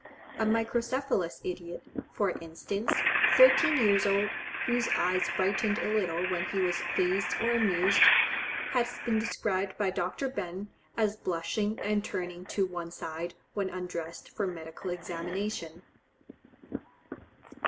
A microcephalous idiot, for instance, thirteen years old, whose eyes brightened a little when he was pleased or amused, has been described by Dr. Behn, as blushing and turning to one side, when undressed for medical examination.